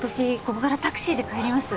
ここからタクシーで帰ります